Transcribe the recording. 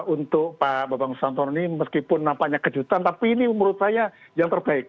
untuk pak bambang susantono ini meskipun nampaknya kejutan tapi ini menurut saya yang terbaik